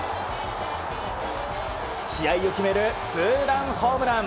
試合で決めるツーランホームラン。